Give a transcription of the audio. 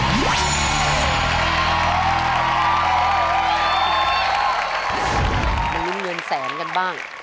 ลุ้นเงินแสนกันบ้าง